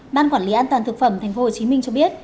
ban quản lý an toàn thực phẩm tp hcm cho biết